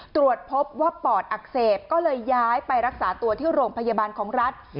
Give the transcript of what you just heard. ตรวจพบว่าปอดอักเสบก็เลยย้ายไปรักษาตัวที่โรงพยาบาลของรัฐ